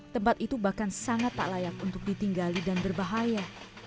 tempat itu bahkan sangat tak layak untuk ditinggali dan berbahaya